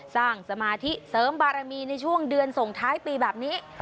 สมาธิเสริมบารมีในช่วงเดือนส่งท้ายปีแบบนี้